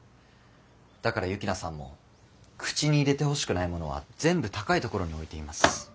だから幸那さんも口に入れてほしくないものは全部高いところに置いています。